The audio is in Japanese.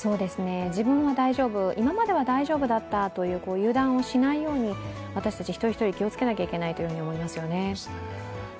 自分は大丈夫、今までは大丈夫だったという油断をしないように、私たち一人一人、気をつけないといけないと思いますよね。